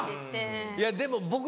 いやでも僕ね